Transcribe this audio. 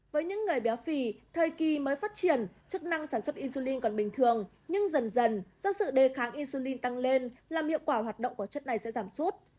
với những người béo phì thời kỳ mới phát triển chức năng sản xuất insulin còn bình thường nhưng dần dần do sự đề kháng insulin tăng lên làm hiệu quả hoạt động của chất này sẽ giảm sút